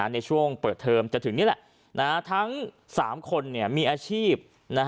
ในช่วงเปิดเทอมจะถึงนี่แหละทั้ง๓คนมีอาชีพ